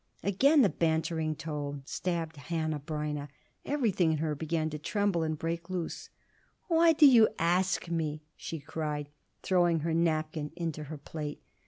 Again the bantering tone stabbed Hanneh Breineh. Everything in her began to tremble and break loose. "Why do you ask me?" she cried, throwing her napkin into her plate.